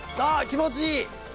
気持ちいい。